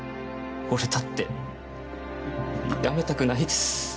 俺だってやめたくないです。